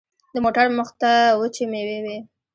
د موټر مخته وچې مېوې وې.